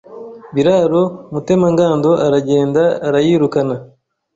Biraro Mutemangando aragenda arayirukana